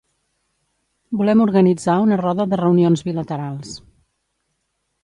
Volem organitzar una roda de reunions bilaterals.